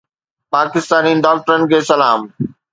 پاڪستاني ڊاڪٽرن کي سلام